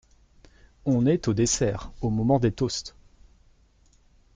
On est au dessert, au moment des toasts.